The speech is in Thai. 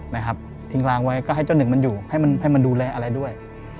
นะครับทิ้งล้างไว้ก็ให้เจ้าหนึ่งมันอยู่ให้มันให้มันดูแลอะไรด้วย